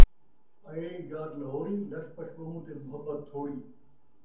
آئے یار لہوری، لش پش ٻہوں تے محبت تھوڑی